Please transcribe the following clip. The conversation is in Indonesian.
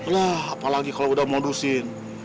lah apalagi kalau udah modusin